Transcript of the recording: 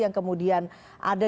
yang kemudian ada